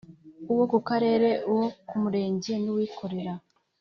uwo ku Karere uwo ku Murenge n uwikorera